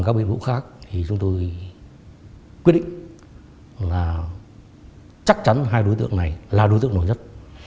chắc chắn hai đối tượng này là đối tượng nổi nhất